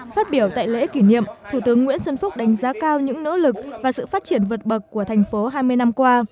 phát biểu tại lễ kỷ niệm thủ tướng nguyễn xuân phúc đánh giá cao những nỗ lực và sự phát triển vượt bậc của thành phố hai mươi năm qua